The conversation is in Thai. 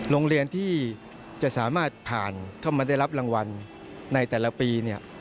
โรงเรียนที่จะสามารถผ่านเข้ามาได้รับรางวัลในแต่ละปีเนี่ย